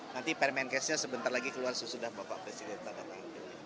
nanti permenkesnya sebentar lagi keluar sesudah bapak presiden datang